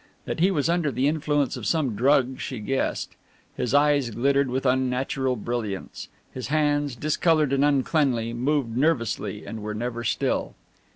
That he was under the influence of some drug she guessed. His eyes glittered with unnatural brilliance, his hands, discoloured and uncleanly, moved nervously and were never still.